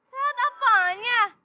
sehat apaan aja